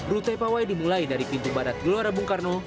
rute pawai dimulai dari pintu barat gelora bung karno